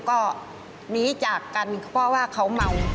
ก็หนีจากกันเพราะว่าเขาเมา